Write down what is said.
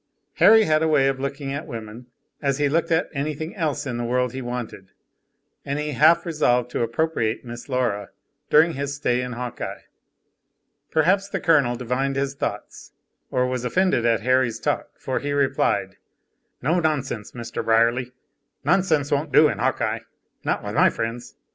Harry had a way of looking at women as he looked at anything else in the world he wanted, and he half resolved to appropriate Miss Laura, during his stay in Hawkeye. Perhaps the Colonel divined his thoughts, or was offended at Harry's talk, for he replied, "No nonsense, Mr. Brierly. Nonsense won't do in Hawkeye, not with my friends.